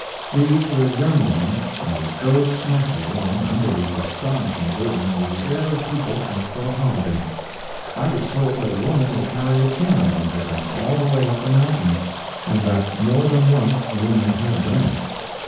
These were young women, and they strode smartly along under these astonishing burdens with the air of people out for a holiday. I was told that a woman will carry a piano on her back all the way up the mountain; and that more than once a woman had done it.